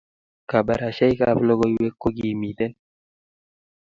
Kabarashaik ab lokoiwek ko kimiten